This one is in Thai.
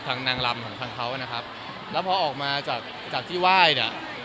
นางลำของทางเขานะครับแล้วพอออกมาจากจากที่ไหว้เนี่ย